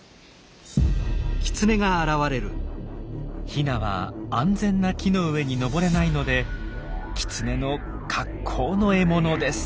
ヒナは安全な木の上に登れないのでキツネの格好の獲物です。